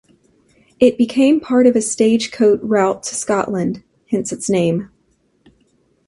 It became part of a stagecoach route to Scotland, hence its name.